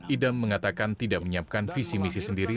idam mengatakan tidak menyiapkan visi misi sendiri